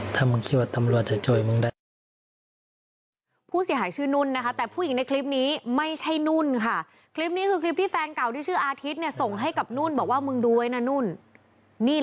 ถ้ามึงคิดว่าตำรวจจะช่วยมึงได้